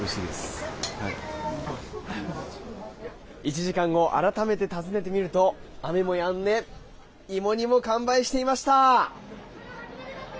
１時間後改めて訪ねてみると雨もやんで芋煮も完売していました。